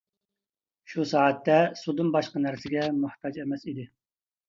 شۇ سائەتتە سۇدىن باشقا نەرسىگە موھتاج ئەمەس ئىدى.